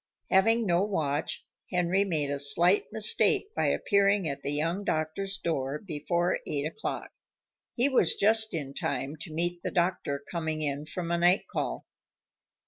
Having no watch, Henry made a slight mistake by appearing at the young doctor's door before eight o'clock. He was just in time to meet the doctor coming in from a night call.